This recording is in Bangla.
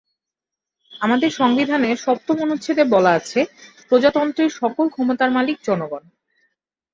আমাদের সংবিধানের সপ্তম অনুচ্ছেদে বলা আছে, প্রজাতন্ত্রের সকল ক্ষমতার মালিক জনগণ।